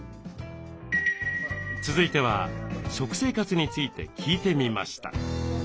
続いては食生活について聞いてみました。